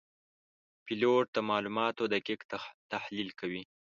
پیلوټ د معلوماتو دقیق تحلیل کوي.